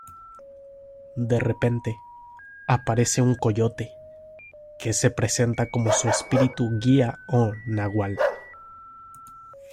De repente, aparece un coyote, que se presenta como su espíritu guía o nahual.